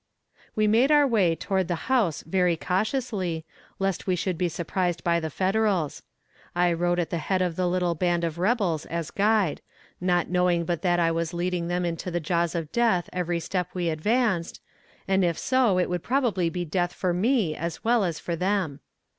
We made our way toward the house very cautiously, lest we should be surprised by the Federals. I rode at the head of the little band of rebels as guide, not knowing but that I was leading them into the jaws of death every step we advanced, and if so it would probably be death for me as well as for them.